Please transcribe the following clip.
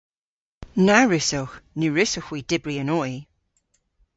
Na wrussowgh. Ny wrussowgh hwi dybri an oy.